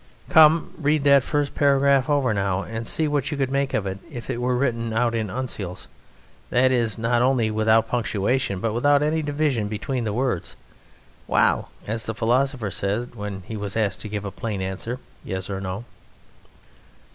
Come, read that first paragraph over now and see what you could make of it if it were written out in uncials that is, not only without punctuation, but without any division between the words. Wow! As the philosopher said when he was asked to give a plain answer "Yes" or "No."